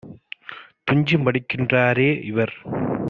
துஞ்சி மடிகின் றாரே - இவர்